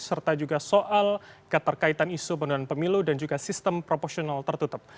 serta juga soal keterkaitan isu pendudukan pemilu dan juga sistem proporsional tertutup